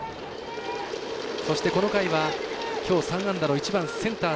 そして、この回はきょう３安打の１番センター